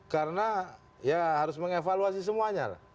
karena ya harus mengevaluasi semuanya lah